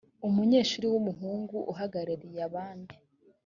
umunyeshuri w umuhungu uhagarariye abandi